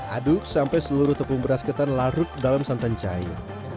aduk sampai seluruh tepung beras ketan larut ke dalam santan cair